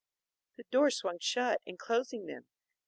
The door swung shut, enclosing them.